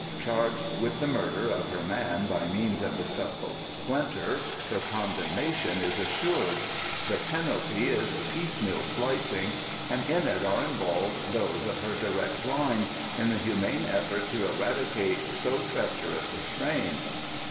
"Charged with the murder of her man by means of the supple splinter her condemnation is assured. The penalty is piecemeal slicing, and in it are involved those of her direct line, in the humane effort to eradicate so treacherous a strain."